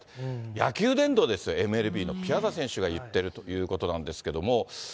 野球殿堂ですよ、ＭＬＢの、ピアザ選手が言ってるということなんですけども。